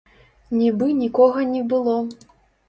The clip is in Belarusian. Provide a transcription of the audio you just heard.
Нібы нікога не было.